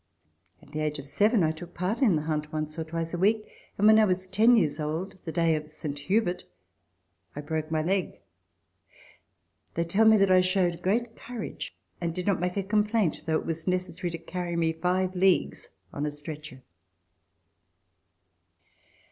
At the age of seven I took part In the hunt once or twice a week, and when I was ten years old, the day of Saint Hubert, I broke my leg. They tell me that I showed great courage and did not make a com.plaint, although it was necessary to carry me five leagues on a stretcher.